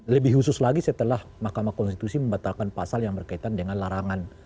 lebih khusus lagi setelah mahkamah konstitusi membatalkan pasal yang berkaitan dengan larangan